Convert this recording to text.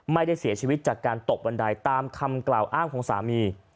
ไม่ได้เสียชีวิตจากการตกบันไดตามคำกล่าวอ้างของสามี